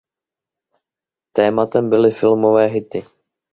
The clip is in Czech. Tématem byly filmové hity.